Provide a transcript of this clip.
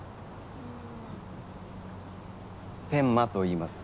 天間といいます。